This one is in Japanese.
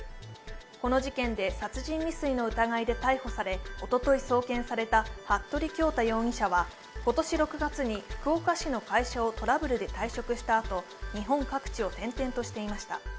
この事件で殺人未遂の疑いで逮捕され、おととい送検された服部恭太容疑者は、今年６月に福岡市の会社をトラブルで退職したあと日本各地を転々としていました。